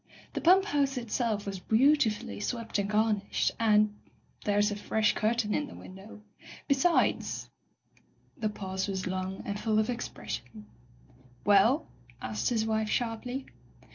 The pump house itself was beautifully swept and garnished, and — there's a fresh curtain in the window. Be sides The pause was long and full of expression. — ^^*Well?" asked his wife sharply.